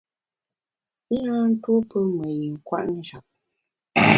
I na tuo pe me yin kwet njap.